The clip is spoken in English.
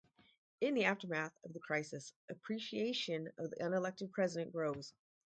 In the aftermath of the crisis, appreciation of the unelected president grows.